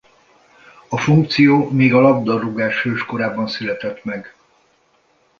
A funkció még a labdarúgás hőskorában született meg.